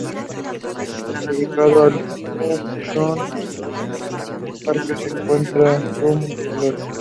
Dedicado a Lu Xun, en el parque se encuentra su mausoleo.